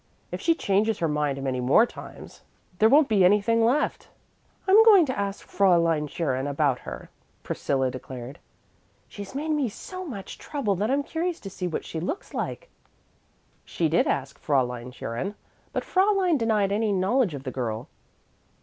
If she changes her mind many more times there won't be anything left." "I'm going to ask Fräulein Scherin about her," Priscilla declared. "She's made me so much trouble that I'm curious to see what she looks like." She did ask Fräulein Scherin, but Fräulein denied all knowledge of the girl.